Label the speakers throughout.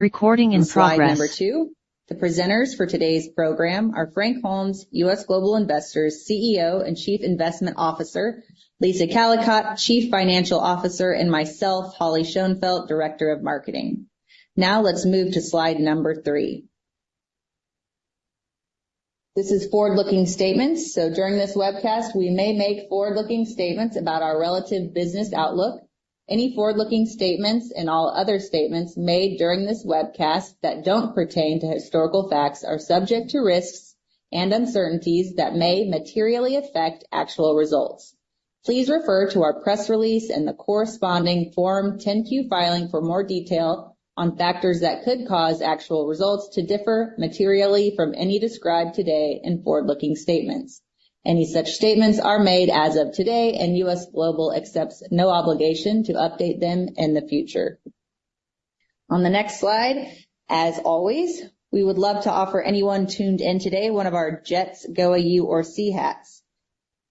Speaker 1: Recording in progress.
Speaker 2: Slide number two. The presenters for today's program are Frank Holmes, U.S. Global Investors CEO and Chief Investment Officer, Lisa Callicotte, Chief Financial Officer, and myself, Holly Schoenfeldt, Director of Marketing. Now let's move to slide number three. This is forward-looking statements, so during this webcast we may make forward-looking statements about our relative business outlook. Any forward-looking statements and all other statements made during this webcast that don't pertain to historical facts are subject to risks and uncertainties that may materially affect actual results. Please refer to our press release and the corresponding Form 10-Q filing for more detail on factors that could cause actual results to differ materially from any described today in forward-looking statements. Any such statements are made as of today, and U.S. Global accepts no obligation to update them in the future. On the next slide, as always, we would love to offer anyone tuned in today one of our JETS, GOAU, or SEA.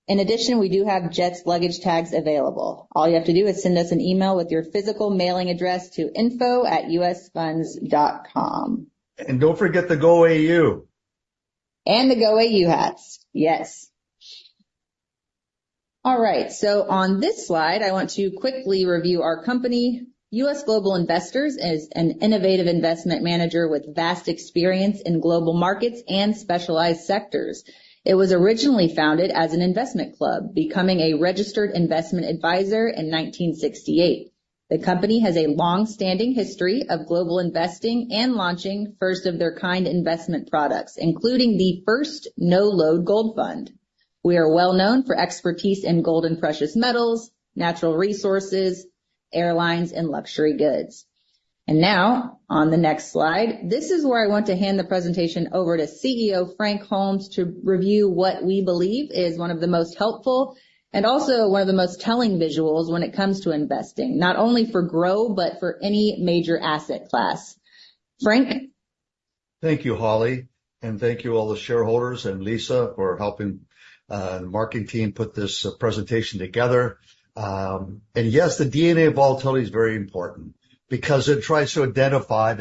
Speaker 2: In addition, we do have JETS luggage tags available. All you have to do is send us an email with your physical mailing address to info@usfunds.com.
Speaker 3: Don't forget the GOAU.
Speaker 2: And the GOAU hats, yes. All right. So on this slide, I want to quickly review our company. U.S. Global Investors is an innovative investment manager with vast experience in global markets and specialized sectors. It was originally founded as an investment club, becoming a registered investment advisor in 1968. The company has a longstanding history of global investing and launching first-of-their-kind investment products, including the first no-load gold fund. We are well known for expertise in gold and precious metals, natural resources, airlines, and luxury goods. Now, on the next slide, this is where I want to hand the presentation over to CEO Frank Holmes to review what we believe is one of the most helpful and also one of the most telling visuals when it comes to investing, not only for GROW but for any major asset class. Frank?
Speaker 3: Thank you, Holly, and thank you all the shareholders and Lisa for helping the marketing team put this presentation together. Yes, the DNA of volatility is very important because it tries to identify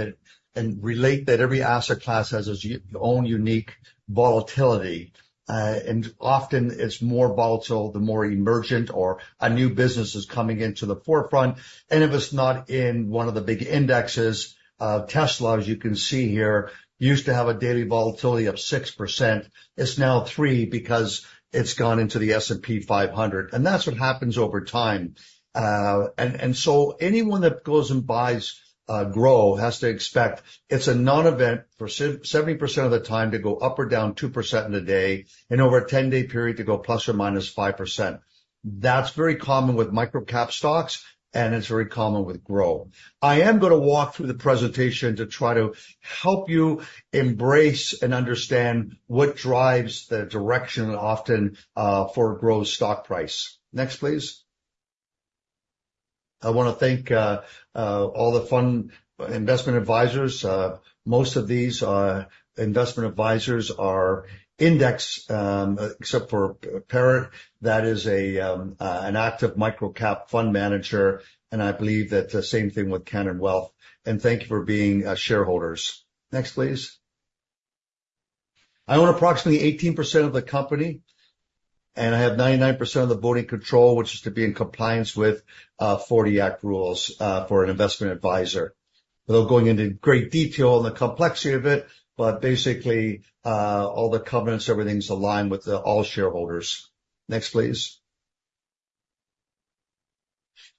Speaker 3: and relate that every asset class has its own unique volatility. Often it's more volatile the more emergent or a new business is coming into the forefront. If it's not in one of the big indexes, Tesla, as you can see here, used to have a daily volatility of 6%. It's now 3% because it's gone into the S&P 500. That's what happens over time. So anyone that goes and buys GROW has to expect it's a non-event for 70% of the time to go up or down 2% in a day, and over a 10-day period to go ±5%. That's very common with microcap stocks, and it's very common with GROW. I am going to walk through the presentation to try to help you embrace and understand what drives the direction often for GROW's stock price. Next, please. I want to thank all the fund investment advisors. Most of these investment advisors are index, except for Perritt. That is an active microcap fund manager, and I believe that's the same thing with Cannon Wealth. Thank you for being shareholders. Next, please. I own approximately 18% of the company, and I have 99% of the voting control, which is to be in compliance with 40 Act rules for an investment advisor. Without going into great detail on the complexity of it, but basically all the covenants, everything's aligned with all shareholders. Next, please.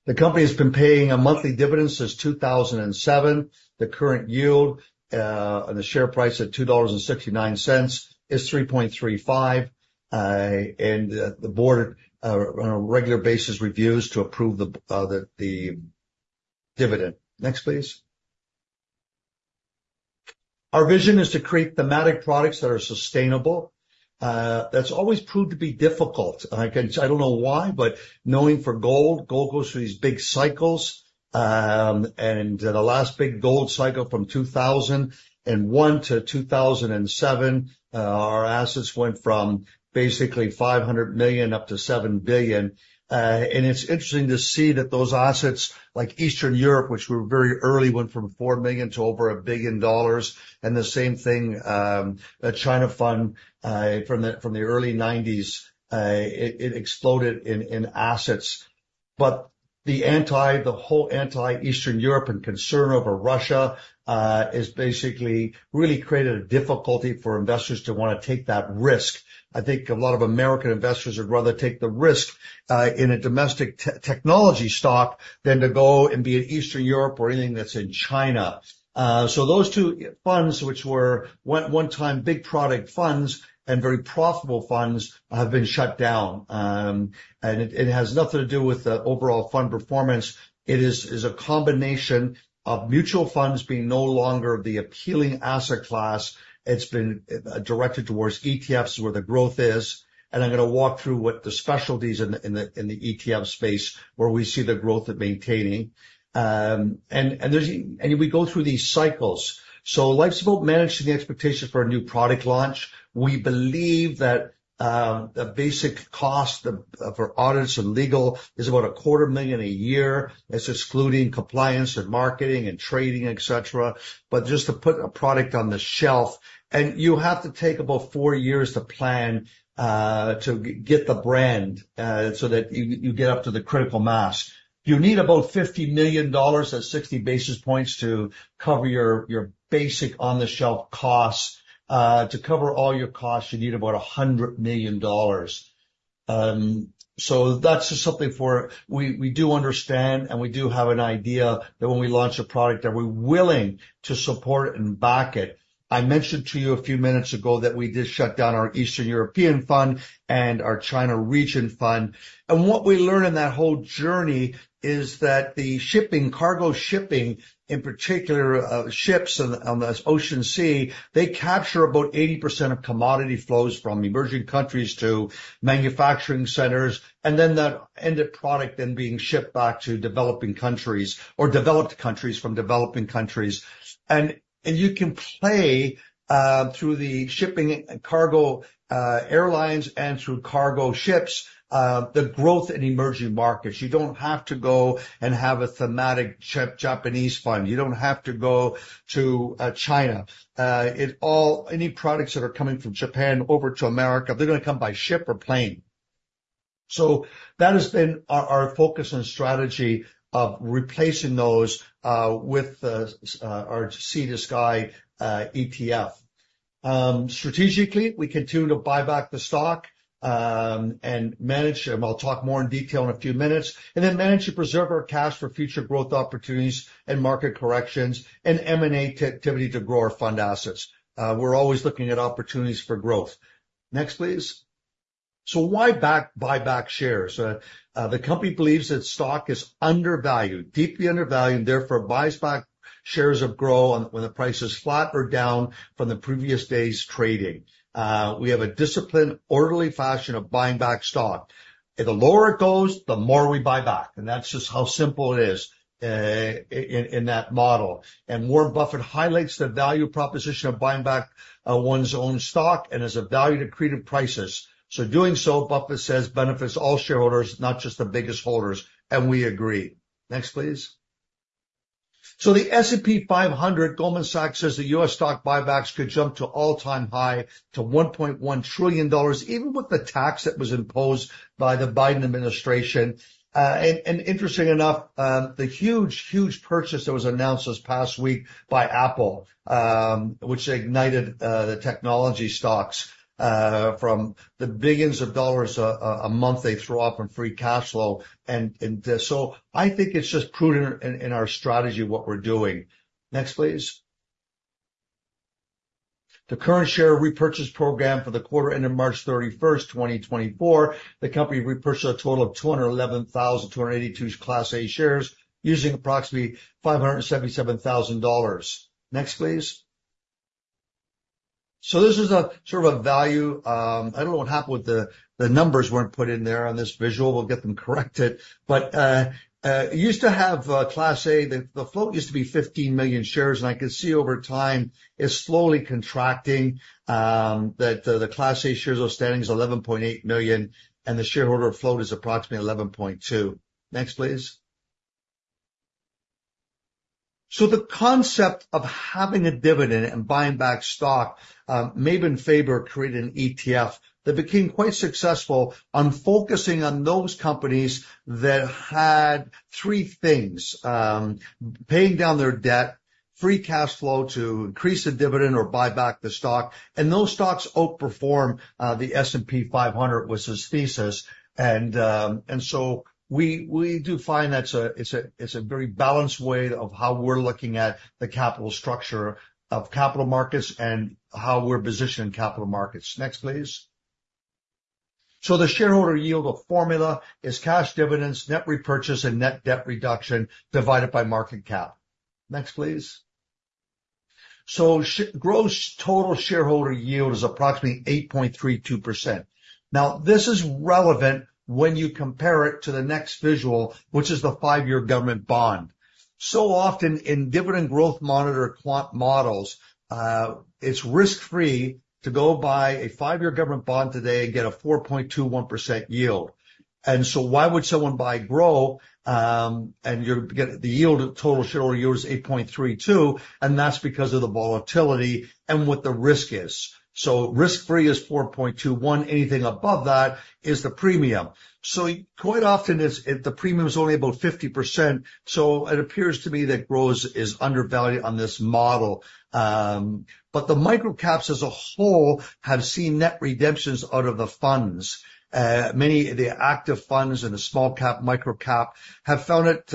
Speaker 3: The company has been paying a monthly dividend since 2007. The current yield and the share price at $2.69 is 3.35%, and the board on a regular basis reviews to approve the dividend. Next, please. Our vision is to create thematic products that are sustainable. That's always proved to be difficult. I don't know why, but knowing for gold, gold goes through these big cycles. The last big gold cycle from 2001 to 2007, our assets went from basically $500 million up to $7 billion. It's interesting to see that those assets, like Eastern Europe, which were very early, went from $4 million to over $1 billion. The same thing, China Fund from the early 1990s, it exploded in assets. The whole anti-Eastern European concern over Russia has basically really created a difficulty for investors to want to take that risk. I think a lot of American investors would rather take the risk in a domestic technology stock than to go and be in Eastern Europe or anything that's in China. So those two funds, which were one-time big product funds and very profitable funds, have been shut down. It has nothing to do with the overall fund performance. It is a combination of mutual funds being no longer the appealing asset class. It's been directed towards ETFs where the growth is. And I'm going to walk through what the specialties in the ETF space where we see the growth at maintaining. And we go through these cycles. So Life's About Managing the Expectations for a New Product Launch. We believe that the basic cost for audits and legal is about $250,000 a year. That's excluding compliance and marketing and trading, etc. But just to put a product on the shelf, and you have to take about four years to plan to get the brand so that you get up to the critical mass. You need about $50 million at 60 basis points to cover your basic on-the-shelf costs. To cover all your costs, you need about $100 million. So that's just something for we do understand, and we do have an idea that when we launch a product, that we're willing to support and back it. I mentioned to you a few minutes ago that we did shut down our Eastern European Fund and our China Region Fund. What we learned in that whole journey is that the shipping, cargo shipping in particular, ships on the ocean sea, they capture about 80% of commodity flows from emerging countries to manufacturing centers, and then that end product then being shipped back to developing countries or developed countries from developing countries. You can play through the shipping cargo airlines and through cargo ships the growth in emerging markets. You don't have to go and have a thematic Japanese fund. You don't have to go to China. Any products that are coming from Japan over to America, they're going to come by ship or plane. So that has been our focus and strategy of replacing those with our Sea to Sky ETF. Strategically, we continue to buy back the stock and manage it, and I'll talk more in detail in a few minutes, and then manage to preserve our cash for future growth opportunities and market corrections and M&A activity to grow our fund assets. We're always looking at opportunities for growth. Next, please. So why buy back shares? The company believes its stock is undervalued, deeply undervalued, and therefore buys back shares of GROW when the price is flat or down from the previous day's trading. We have a disciplined, orderly fashion of buying back stock. The lower it goes, the more we buy back. And that's just how simple it is in that model. And Warren Buffett highlights the value proposition of buying back one's own stock and as a value to correct prices. So doing so, Buffett says, benefits all shareholders, not just the biggest holders. And we agree. Next, please. So the S&P 500, Goldman Sachs says the U.S. stock buybacks could jump to all-time high to $1.1 trillion, even with the tax that was imposed by the Biden administration. And interesting enough, the huge, huge purchase that was announced this past week by Apple, which ignited the technology stocks from the billions of dollars a month they throw off in free cash flow. And so I think it's just prudent in our strategy what we're doing. Next, please. The current share repurchase program for the quarter ended March 31st, 2024. The company repurchased a total of 211,282 Class A shares using approximately $577,000. Next, please. So this is sort of a value I don't know what happened with the numbers weren't put in there on this visual. We'll get them corrected. But it used to have Class A. The float used to be 15 million shares, and I can see over time it's slowly contracting, that the Class A shares are standing at 11.8 million, and the shareholder float is approximately 11.2. Next, please. So the concept of having a dividend and buying back stock, Mebane Faber created an ETF that became quite successful on focusing on those companies that had three things: paying down their debt, free cash flow to increase the dividend or buy back the stock. And those stocks outperform the S&P 500, was his thesis. And so we do find that's a very balanced way of how we're looking at the capital structure of capital markets and how we're positioned in capital markets. Next, please. So the shareholder yield formula is cash dividends, net repurchase, and net debt reduction divided by market cap. Next, please. So GROW's total shareholder yield is approximately 8.32%. Now, this is relevant when you compare it to the next visual, which is the five-year government bond. So often in dividend growth monitor quant models, it's risk-free to go buy a five-year government bond today and get a 4.21% yield. And so why would someone buy GROW? And the total shareholder yield is 8.32, and that's because of the volatility and what the risk is. So risk-free is 4.21. Anything above that is the premium. So quite often, the premium is only about 50%. So it appears to me that GROW is undervalued on this model. But the microcaps as a whole have seen net redemptions out of the funds. Many of the active funds and the small cap, microcap, have found it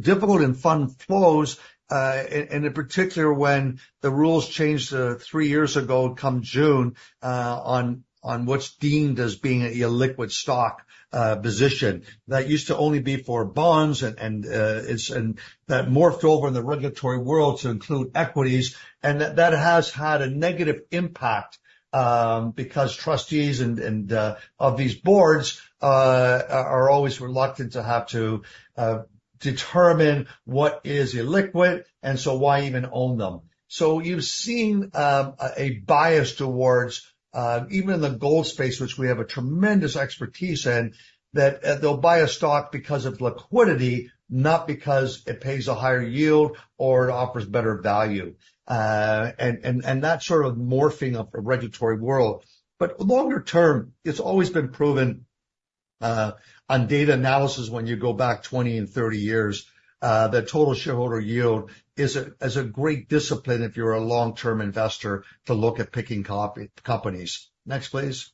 Speaker 3: difficult in fund flows, and in particular when the rules changed three years ago, come June, on what's deemed as being a liquid stock position. That used to only be for bonds, and that morphed over in the regulatory world to include equities. That has had a negative impact because trustees of these boards are always reluctant to have to determine what is illiquid, and so why even own them. You've seen a bias towards even in the gold space, which we have a tremendous expertise in, that they'll buy a stock because of liquidity, not because it pays a higher yield or it offers better value. That sort of morphing of a regulatory world. Longer term, it's always been proven on data analysis when you go back 20 and 30 years that total shareholder yield is a great discipline if you're a long-term investor to look at picking companies. Next, please.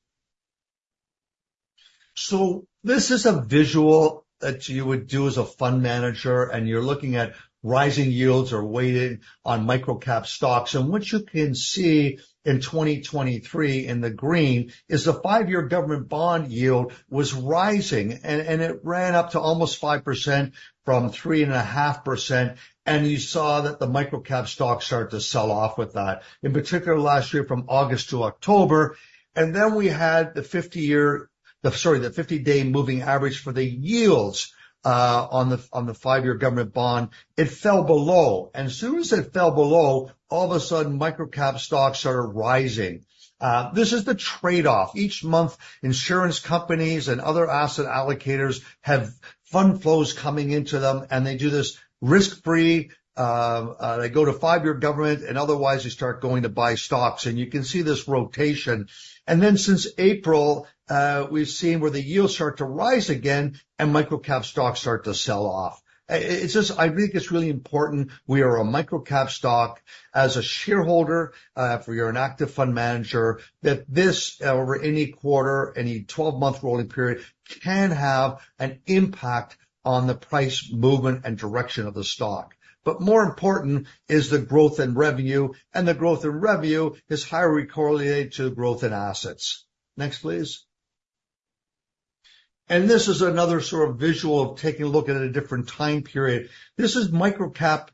Speaker 3: So this is a visual that you would do as a fund manager, and you're looking at rising yields or weighting on microcap stocks. And what you can see in 2023 in the green is the five-year government bond yield was rising, and it ran up to almost 5% from 3.5%. And you saw that the microcap stocks started to sell off with that, in particular last year from August to October. And then we had the 50-year sorry, the 50-day moving average for the yields on the five-year government bond. It fell below. And as soon as it fell below, all of a sudden, microcap stocks started rising. This is the trade-off. Each month, insurance companies and other asset allocators have fund flows coming into them, and they do this risk-free. They go to five-year government, and otherwise, they start going to buy stocks. You can see this rotation. Then since April, we've seen where the yields start to rise again and microcap stocks start to sell off. I think it's really important we are a microcap stock as a shareholder if you're an active fund manager that this over any quarter, any 12-month rolling period can have an impact on the price movement and direction of the stock. But more important is the growth in revenue, and the growth in revenue is highly correlated to the growth in assets. Next, please. This is another sort of visual of taking a look at a different time period. This is microcap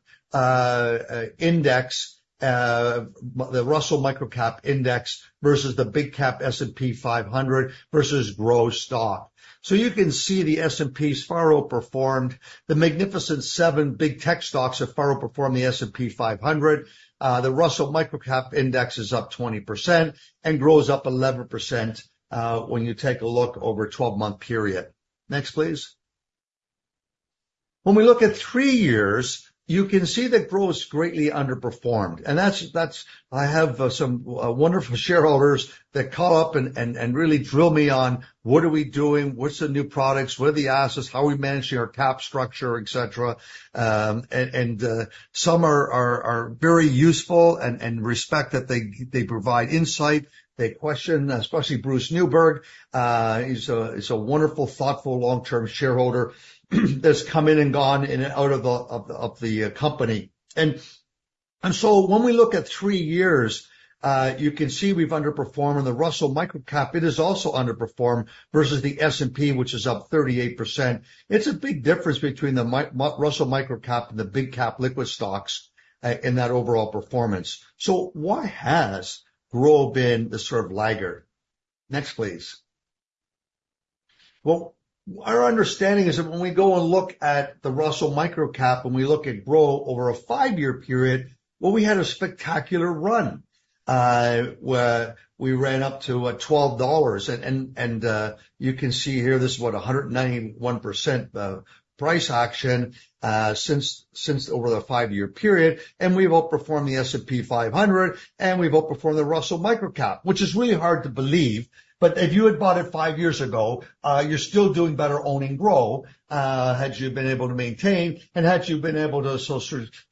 Speaker 3: index, the Russell Microcap Index versus the big cap S&P 500 versus GROW stock. So you can see the S&P's far outperformed. The Magnificent Seven big tech stocks have far outperformed the S&P 500. The Russell Microcap Index is up 20% and GROW's up 11% when you take a look over a 12-month period. Next, please. When we look at 3 years, you can see that GROW is greatly underperformed. I have some wonderful shareholders that call up and really drill me on, "What are we doing? What's the new products? What are the assets? How are we managing our cap structure, etc.?" Some are very useful and respect that they provide insight. They question, especially Bruce Newberg. He's a wonderful, thoughtful, long-term shareholder that's come in and gone out of the company. So when we look at 3 years, you can see we've underperformed. The Russell Microcap, it is also underperformed versus the S&P, which is up 38%. It's a big difference between the Russell Microcap and the big cap liquid stocks in that overall performance. So why has GROW been the sort of laggard? Next, please. Well, our understanding is that when we go and look at the Russell Microcap and we look at GROW over a five-year period, well, we had a spectacular run. We ran up to $12. And you can see here, this is, what, 191% price action since over the five-year period. And we've outperformed the S&P 500, and we've outperformed the Russell Microcap, which is really hard to believe. But if you had bought it five years ago, you're still doing better owning GROW had you been able to maintain. And had you been able to so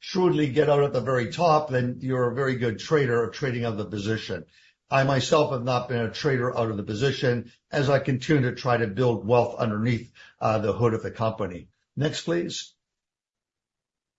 Speaker 3: shrewdly get out at the very top, then you're a very good trader of trading out of the position. I myself have not been a trader out of the position as I continue to try to build wealth underneath the hood of the company. Next, please.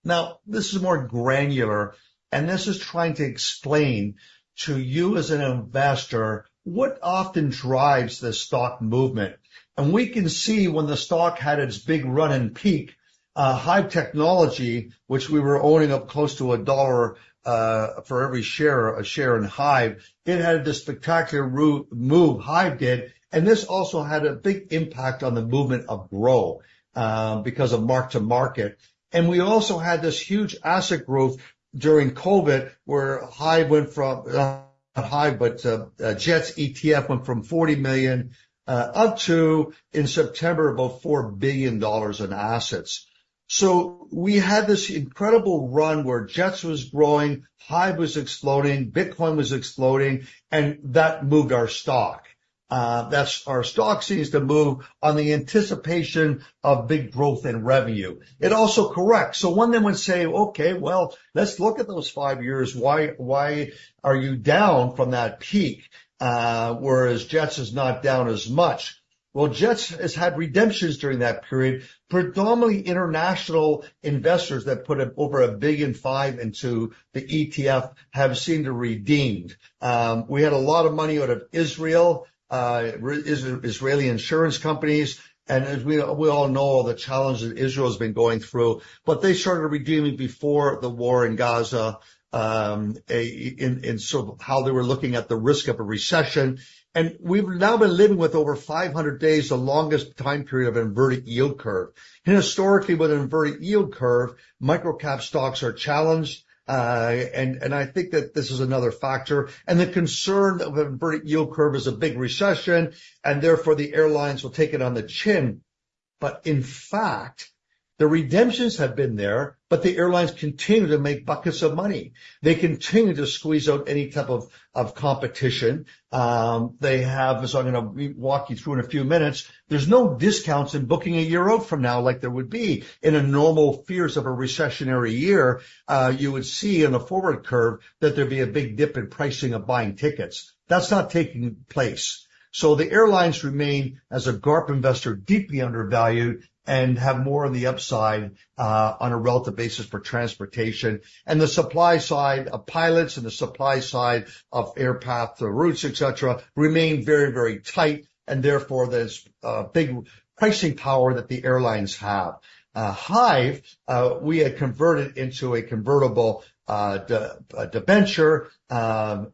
Speaker 3: Now, this is more granular, and this is trying to explain to you as an investor what often drives this stock movement. We can see when the stock had its big run in peak, HIVE Digital Technologies, which we were owning up close to a dollar for every share, a share in HIVE, it had this spectacular move HIVE did. This also had a big impact on the movement of GROW because of mark-to-market. We also had this huge asset growth during COVID where HIVE went from not HIVE, but JETS ETF went from $40 million up to, in September, about $4 billion in assets. So we had this incredible run where JETS was growing, HIVE was exploding, Bitcoin was exploding, and that moved our stock. Our stock seems to move on the anticipation of big growth in revenue. It also corrects. So one then would say, "Okay, well, let's look at those 5 years. Why are you down from that peak whereas JETS is not down as much?" Well, JETS has had redemptions during that period. Predominantly international investors that put over $1.5 billion into the ETF have seemed to redeem. We had a lot of money out of Israel, Israeli insurance companies. And as we all know, all the challenges that Israel has been going through. But they started redeeming before the war in Gaza in sort of how they were looking at the risk of a recession. We've now been living with over 500 days, the longest time period of inverted yield curve. Historically, with an inverted yield curve, microcap stocks are challenged. I think that this is another factor. The concern of an inverted yield curve is a big recession, and therefore, the airlines will take it on the chin. But in fact, the redemptions have been there, but the airlines continue to make buckets of money. They continue to squeeze out any type of competition. They have, so I'm going to walk you through in a few minutes. There's no discounts in booking a year out from now like there would be in the normal fears of a recessionary year. You would see in the forward curve that there'd be a big dip in pricing of buying tickets. That's not taking place. So the airlines remain, as a GARP investor, deeply undervalued and have more on the upside on a relative basis for transportation. And the supply side of pilots and the supply side of air paths, the routes, etc., remain very, very tight. And therefore, there's big pricing power that the airlines have. HIVE, we had converted into a convertible debenture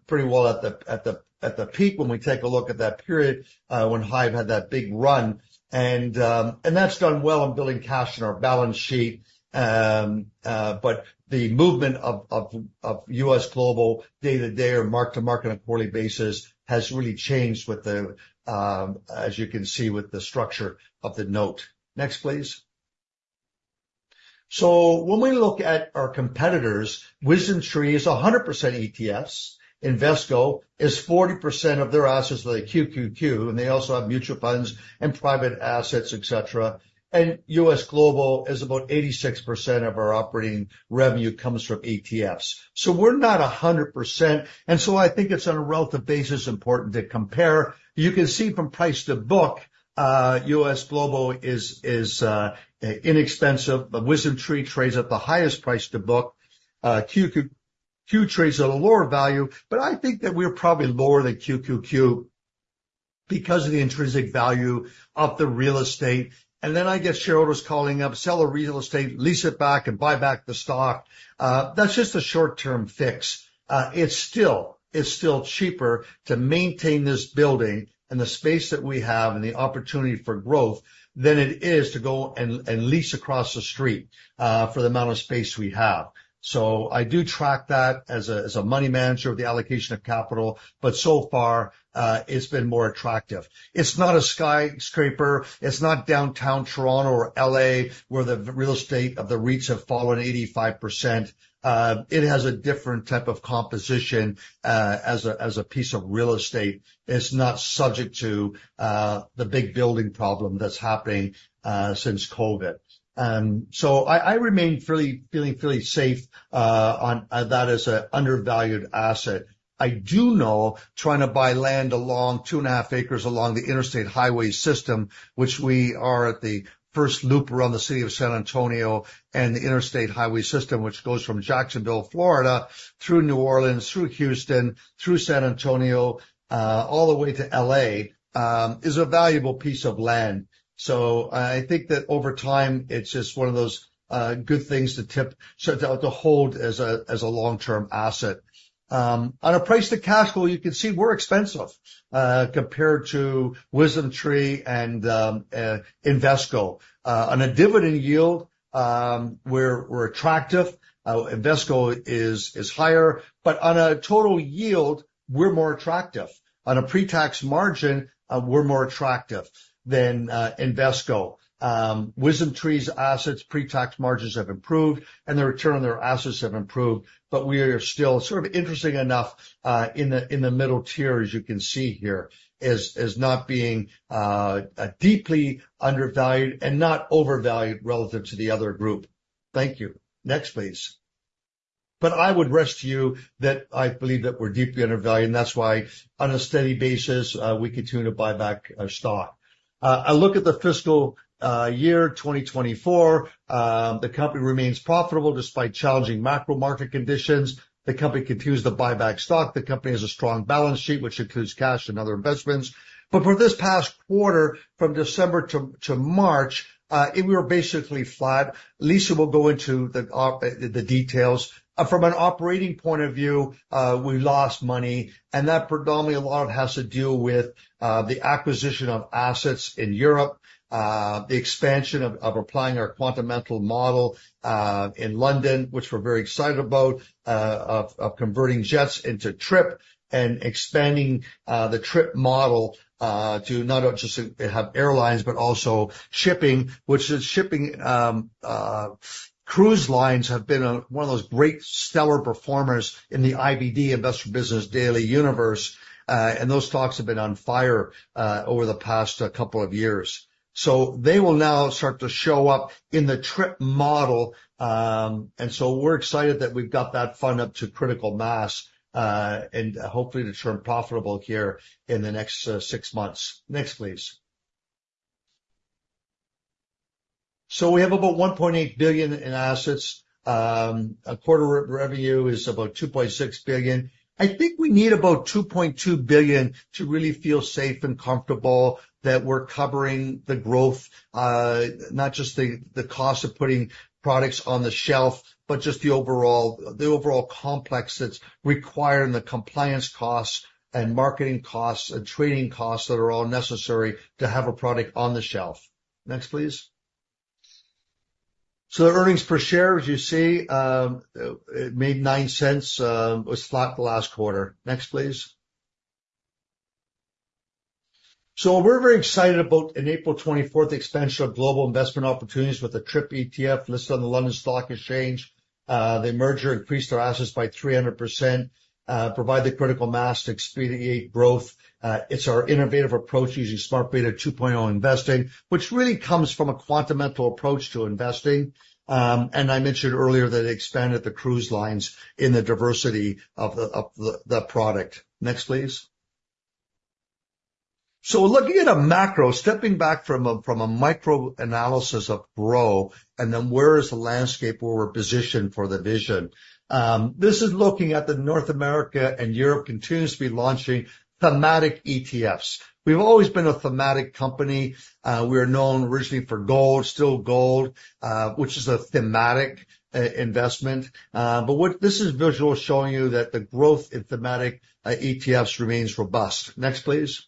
Speaker 3: pretty well at the peak when we take a look at that period when HIVE had that big run. And that's done well in building cash in our balance sheet. But the movement of U.S. Global day-to-day or mark-to-market on a quarterly basis has really changed with the, as you can see, with the structure of the note. Next, please. So when we look at our competitors, WisdomTree is 100% ETFs. Invesco is 40% of their assets like QQQ. And they also have mutual funds and private assets, etc. U.S. Global is about 86% of our operating revenue comes from ETFs. So we're not 100%. And so I think it's on a relative basis important to compare. You can see from price to book, U.S. Global is inexpensive. WisdomTree trades at the highest price to book. QQQ trades at a lower value. But I think that we're probably lower than QQQ because of the intrinsic value of the real estate. And then I get shareholders calling up, "Sell the real estate, lease it back, and buy back the stock." That's just a short-term fix. It's still cheaper to maintain this building and the space that we have and the opportunity for growth than it is to go and lease across the street for the amount of space we have. So I do track that as a money manager of the allocation of capital. So far, it's been more attractive. It's not a skyscraper. It's not downtown Toronto or LA where the real estate of the REITs have fallen 85%. It has a different type of composition as a piece of real estate. It's not subject to the big building problem that's happening since COVID. I remain feeling fairly safe on that as an undervalued asset. I do know trying to buy land along 2.5 acres along the interstate highway system, which we are at the first loop around the city of San Antonio and the interstate highway system, which goes from Jacksonville, Florida, through New Orleans, through Houston, through San Antonio, all the way to LA, is a valuable piece of land. I think that over time, it's just one of those good things to hold as a long-term asset. On a price to cash flow, you can see we're expensive compared to WisdomTree and Invesco. On a dividend yield, we're attractive. Invesco is higher. But on a total yield, we're more attractive. On a pretax margin, we're more attractive than Invesco. WisdomTree's assets' pretax margins have improved, and the return on their assets have improved. But we are still sort of interesting enough in the middle tier, as you can see here, as not being deeply undervalued and not overvalued relative to the other group. Thank you. Next, please. But I would stress to you that I believe that we're deeply undervalued. And that's why, on a steady basis, we continue to buy back stock. I look at the fiscal year 2024. The company remains profitable despite challenging macro market conditions. The company continues to buy back stock. The company has a strong balance sheet, which includes cash and other investments. But for this past quarter, from December to March, we were basically flat. Lisa will go into the details. From an operating point of view, we lost money. And that predominantly, a lot of it has to do with the acquisition of assets in Europe, the expansion of applying our quantitative model in London, which we're very excited about, of converting JETS into TRIP and expanding the TRIP model to not just have airlines but also shipping, which is shipping cruise lines have been one of those great, stellar performers in the IBD, Investor's Business Daily Universe. And those stocks have been on fire over the past couple of years. So they will now start to show up in the TRIP model. We're excited that we've got that fund up to critical mass and hopefully to turn profitable here in the next six months. Next, please. We have about $1.8 billion in assets. Quarterly revenue is about $2.6 billion. I think we need about $2.2 billion to really feel safe and comfortable that we're covering the growth, not just the cost of putting products on the shelf, but just the overall complex that's required in the compliance costs and marketing costs and trading costs that are all necessary to have a product on the shelf. Next, please. The earnings per share, as you see, it made $0.09. It was flat the last quarter. Next, please. We're very excited about, in April 24th, the expansion of global investment opportunities with the TRIP ETF listed on the London Stock Exchange. The merger increased our assets by 300%, provided the critical mass to expedite growth. It's our innovative approach using Smart Beta 2.0 investing, which really comes from a quantitative approach to investing. I mentioned earlier that it expanded the cruise lines in the diversity of the product. Next, please. Looking at a macro, stepping back from a micro analysis of GROW and then where is the landscape, where we're positioned for the vision. This is looking at North America and Europe continues to be launching thematic ETFs. We've always been a thematic company. We are known originally for gold, still gold, which is a thematic investment. But this is visual showing you that the growth in thematic ETFs remains robust. Next, please.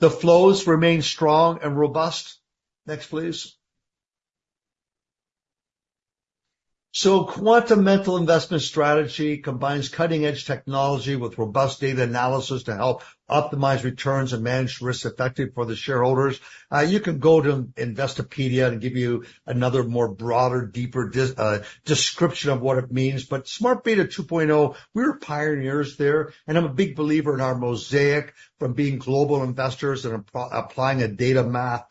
Speaker 3: The flows remain strong and robust. Next, please. So quantitative investment strategy combines cutting-edge technology with robust data analysis to help optimize returns and manage risks effectively for the shareholders. You can go to Investopedia and give you another more broader, deeper description of what it means. But Smart Beta 2.0, we were pioneers there. And I'm a big believer in our mosaic from being global investors and applying a data math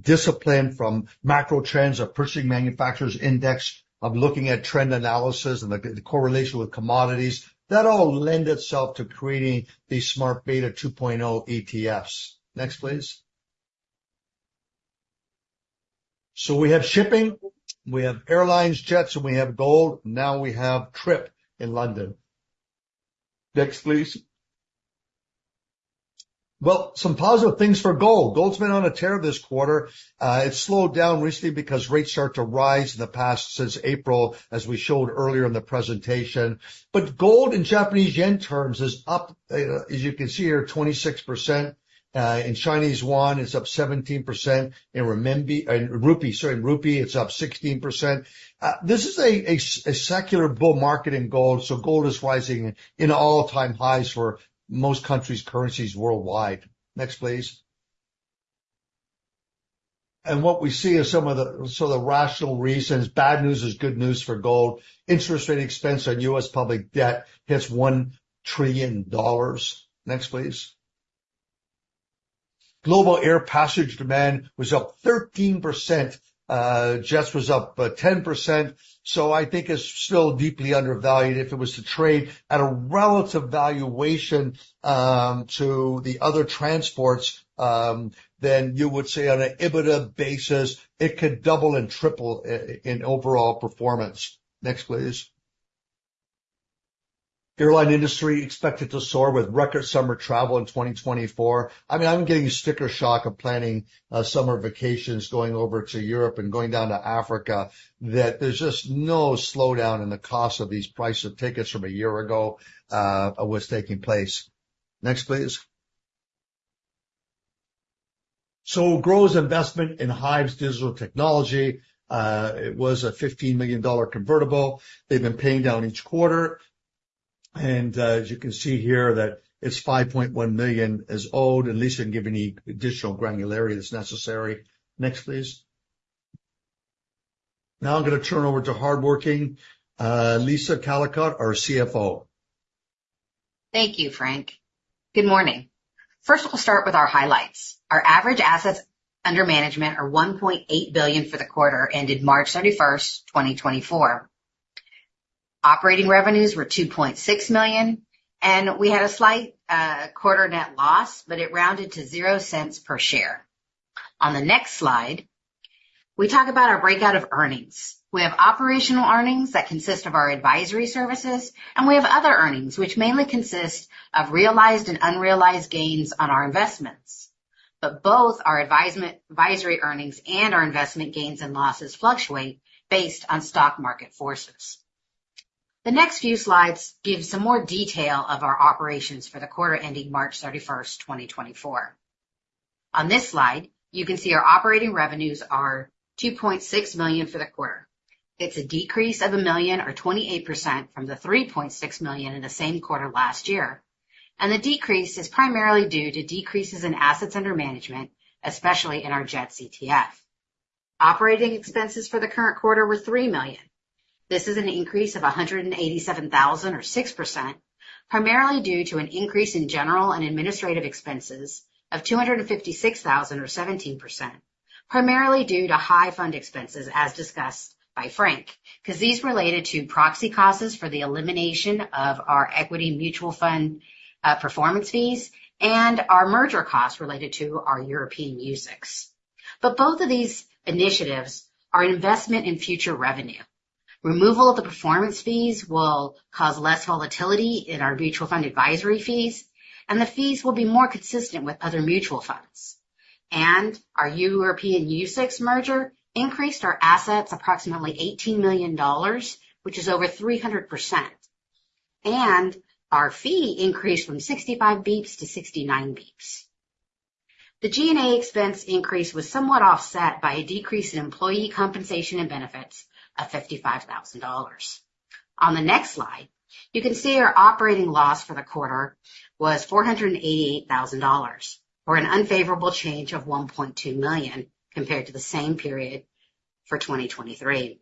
Speaker 3: discipline from macro trends of purchasing manufacturers' index, of looking at trend analysis and the correlation with commodities. That all lent itself to creating the Smart Beta 2.0 ETFs. Next, please. So we have shipping. We have airlines, JETS, and we have gold. Now we have TRIP in London. Next, please. Well, some positive things for gold. Gold's been on a tear this quarter. It's slowed down recently because rates start to rise in the past since April, as we showed earlier in the presentation. But gold, in Japanese yen terms, is up, as you can see here, 26%. In Chinese yuan, it's up 17%. In rupee - sorry, in rupee, it's up 16%. This is a secular bull market in gold. So gold is rising in all-time highs for most countries' currencies worldwide. Next, please. What we see are some of the rational reasons. Bad news is good news for gold. Interest rate expense on U.S. public debt hits $1 trillion. Next, please. Global air passage demand was up 13%. JETS was up 10%. So I think it's still deeply undervalued. If it was to trade at a relative valuation to the other transports, then you would say, on an EBITDA basis, it could double and triple in overall performance. Next, please. Airline industry expected to soar with record summer travel in 2024. I mean, I'm getting sticker shock of planning summer vacations going over to Europe and going down to Africa. There's just no slowdown in the cost of these price of tickets from a year ago was taking place. Next, please. So GROW's investment in HIVE's digital technology. It was a $15 million convertible. They've been paying down each quarter. And as you can see here, it's $5.1 million is owed. And Lisa didn't give any additional granularity that's necessary. Next, please. Now I'm going to turn over to hardworking Lisa Callicotte, our CFO. Thank you, Frank. Good morning. First, we'll start with our highlights. Our average assets under management are $1.8 billion for the quarter ended March 31st, 2024. Operating revenues were $2.6 million. And we had a slight quarter net loss, but it rounded to $0.00 per share. On the next slide, we talk about our breakout of earnings. We have operational earnings that consist of our advisory services. We have other earnings, which mainly consist of realized and unrealized gains on our investments. But both our advisory earnings and our investment gains and losses fluctuate based on stock market forces. The next few slides give some more detail of our operations for the quarter ending March 31st, 2024. On this slide, you can see our operating revenues are $2.6 million for the quarter. It's a decrease of $1 million or 28% from the $3.6 million in the same quarter last year. The decrease is primarily due to decreases in assets under management, especially in our JETS ETF. Operating expenses for the current quarter were $3 million. This is an increase of 187,000 or 6%, primarily due to an increase in general and administrative expenses of 256,000 or 17%, primarily due to high fund expenses, as discussed by Frank, because these related to proxy costs for the elimination of our equity mutual fund performance fees and our merger costs related to our European UCITS. But both of these initiatives are investment in future revenue. Removal of the performance fees will cause less volatility in our mutual fund advisory fees. The fees will be more consistent with other mutual funds. Our European UCITS merger increased our assets approximately $18 million, which is over 300%. Our fee increased from 65 basis points to 69 basis points. The G&A expense increase was somewhat offset by a decrease in employee compensation and benefits of $55,000. On the next slide, you can see our operating loss for the quarter was $488,000 or an unfavorable change of $1.2 million compared to the same period for 2023.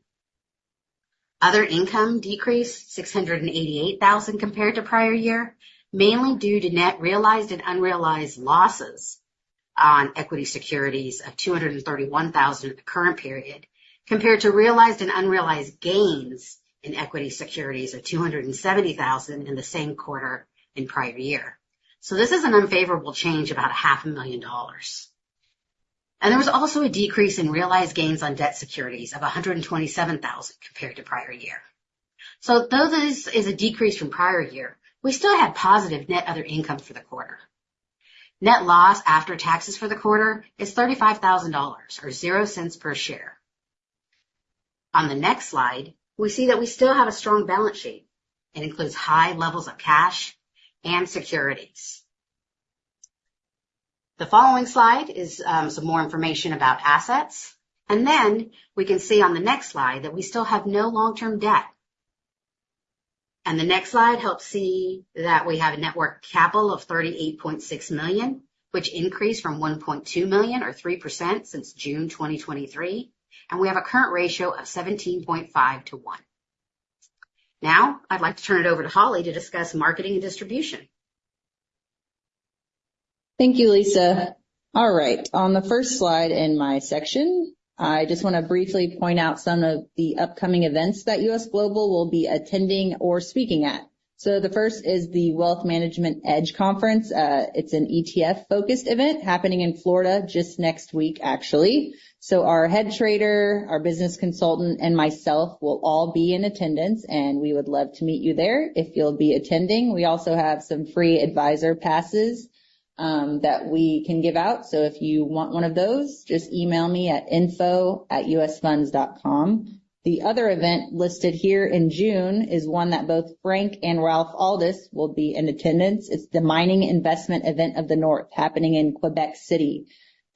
Speaker 3: Other income decreased $688,000 compared to prior year, mainly due to net realized and unrealized losses on equity securities of $231,000 in the current period compared to realized and unrealized gains in equity securities of $270,000 in the same quarter in prior year. So this is an unfavorable change of about $500,000. And there was also a decrease in realized gains on debt securities of $127,000 compared to prior year. So though this is a decrease from prior year, we still had positive net other income for the quarter. Net loss after taxes for the quarter is $35,000 or $0.00 per share. On the next slide, we see that we still have a strong balance sheet. It includes high levels of cash and securities. The following slide is some more information about assets. Then we can see on the next slide that we still have no long-term debt. The next slide helps see that we have a net worth capital of $38.6 million, which increased from $1.2 million or 3% since June 2023. And we have a current ratio of 17.5 to 1. Now I'd like to turn it over to Holly to discuss marketing and distribution.
Speaker 2: Thank you, Lisa. All right. On the first slide in my section, I just want to briefly point out some of the upcoming events that U.S. Global will be attending or speaking at. So the first is the Wealth Management EDGE Conference. It's an ETF-focused event happening in Florida just next week, actually. So our head trader, our business consultant, and myself will all be in attendance. We would love to meet you there if you'll be attending. We also have some free advisor passes that we can give out. So if you want one of those, just email me at info@usfunds.com. The other event listed here in June is one that both Frank and Ralph Aldis will be in attendance. It's the Mining Investment Event of the North happening in Quebec City.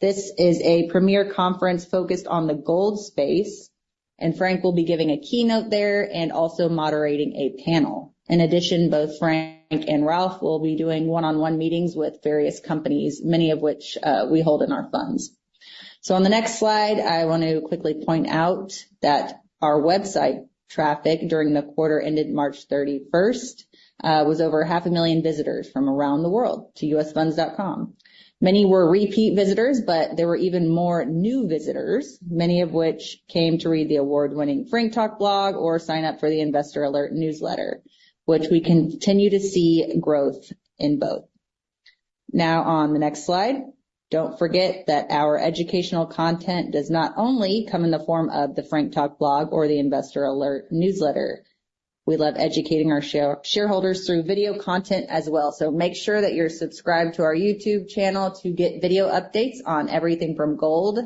Speaker 2: This is a premier conference focused on the gold space. And Frank will be giving a keynote there and also moderating a panel. In addition, both Frank and Ralph will be doing one-on-one meetings with various companies, many of which we hold in our funds. So on the next slide, I want to quickly point out that our website traffic during the quarter ended March 31st was over 500,000 visitors from around the world to usfunds.com. Many were repeat visitors, but there were even more new visitors, many of which came to read the award-winning Frank Talk blog or sign up for the Investor Alert newsletter, which we continue to see growth in both. Now on the next slide, don't forget that our educational content does not only come in the form of the Frank Talk blog or the Investor Alert newsletter. We love educating our shareholders through video content as well. So make sure that you're subscribed to our YouTube channel to get video updates on everything from gold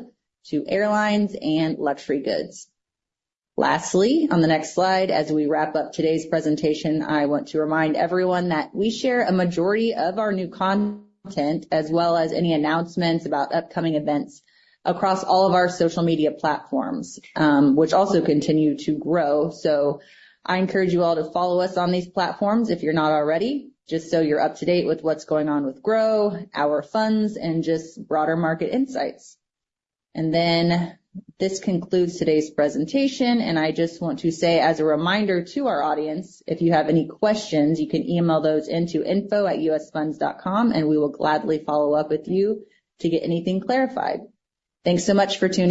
Speaker 2: to airlines and luxury goods. Lastly, on the next slide, as we wrap up today's presentation, I want to remind everyone that we share a majority of our new content as well as any announcements about upcoming events across all of our social media platforms, which also continue to grow. I encourage you all to follow us on these platforms if you're not already, just so you're up to date with what's going on with GROW, our funds, and just broader market insights. Then this concludes today's presentation. I just want to say, as a reminder to our audience, if you have any questions, you can email those into info@usfunds.com, and we will gladly follow up with you to get anything clarified. Thanks so much for tuning in.